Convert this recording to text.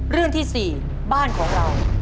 เรื่องที่๔บ้านของเรา